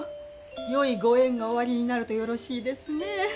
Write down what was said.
よいご縁がおありになるとよろしいですね。